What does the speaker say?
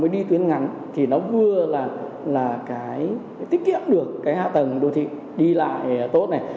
mới đi tuyến ngắn thì nó vừa là cái tiết kiệm được cái hạ tầng đô thị đi lại tốt này